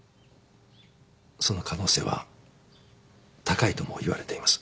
その可能性は高いとも言われています。